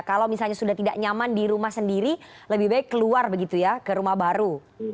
kalau misalnya sudah tidak nyaman di rumah sendiri lebih baik keluar begitu ya ke rumah baru